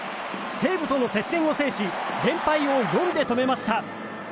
西武との接戦を制し連敗を４で止めました。